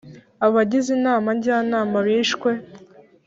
Abagize Inama jyanama bishwe